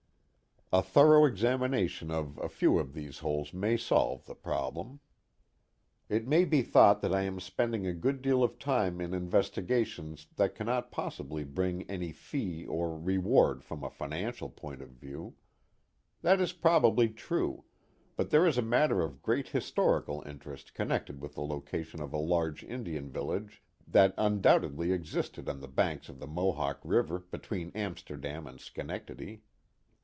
A thorough examination of a few of these holes may solve the problem. It may be thought that I am spending a good deal of time in investigations that cannot possibly bring any fee or reward from a financial point of view. That is probably true; but there is a matter of great historical interest connected with the location of a large Indian village that undoubtedly existed on the banks of the Mohawk River between Amsterdam and Schenectady.